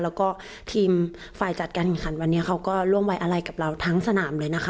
แล้วก็ทีมฝ่ายจัดการแข่งขันวันนี้เขาก็ร่วมไว้อะไรกับเราทั้งสนามเลยนะคะ